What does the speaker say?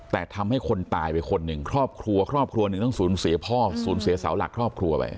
แต่ทำให้คนตายไปคนหนึ่งครอบครัวครอบครัวหนึ่งต้องสูญเสียพ่อสูญเสียเสาหลักครอบครัวไป